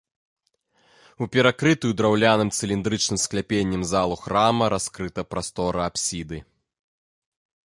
У перакрытую драўляным цыліндрычным скляпеннем залу храма раскрыта прастора апсіды.